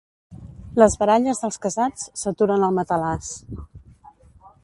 Les baralles dels casats s'aturen al matalàs.